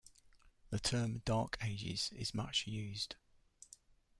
The term 'Dark Ages' is much used.